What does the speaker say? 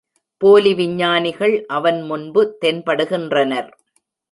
போலி விஞ்ஞானிகள் அவன் முன்பு தென்படுகின்றனர்.